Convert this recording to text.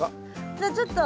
じゃあちょっと。